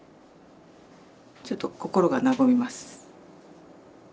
ちょっと心が和みます。